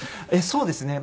そうですね。